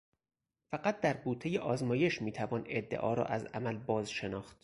فقط در بوتهٔ آزمایش میتوان ادعا را از عمل باز شناخت.